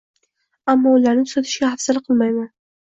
Ammo ularni tuzatishga hafsala qilmayman.